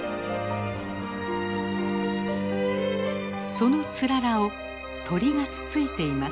そのつららを鳥がつついています。